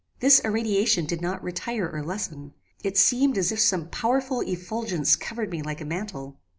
This irradiation did not retire or lessen. It seemed as if some powerful effulgence covered me like a mantle.